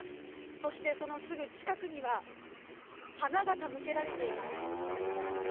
そして、そのすぐ近くには花が手向けられています。